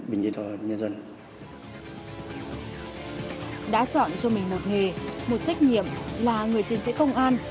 đã chọn cho mình một nghề một trách nhiệm là người chiến sĩ công an